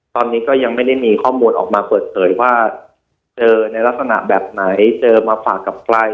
ตอนนี้ก็ยังไม่ได้มีข้อมูลออกมาเปิดเผยว่าเจอในลักษณะแบบไหนเจอมาฝากกับใคร